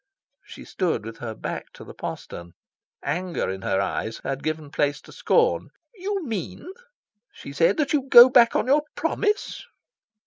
She stood with her back to the postern. Anger in her eyes had given place to scorn. "You mean," she said, "that you go back on your promise?"